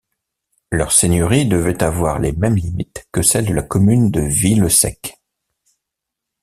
Leur seigneurie devait avoir les mêmes limites que celles de la commune de Villesèque.